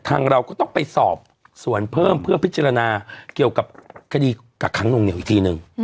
เราก็ต้องไปสอบส่วนเพิ่มเพื่อพิจารณาเกี่ยวกับคดีกักขังนวงเหนียวอีกทีนึง